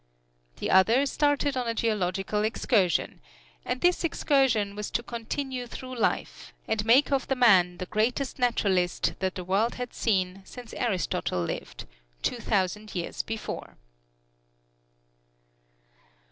The other started on a geological excursion, and this excursion was to continue through life, and make of the man the greatest naturalist that the world had seen since Aristotle lived, two thousand years before.